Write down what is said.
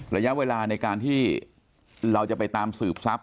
ระยะเวลาในการที่เราจะไปตามสืบทรัพย